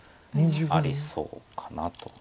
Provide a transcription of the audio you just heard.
ありそうかなと。